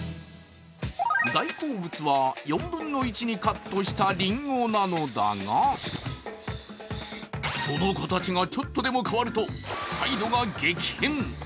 大好物は４分の１にカットしたりんごなのだがその形がちょっとでも変わると態度が激変。